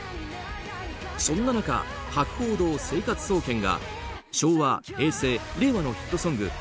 そんな中、博報堂生活総研が昭和、平成、令和のヒットソング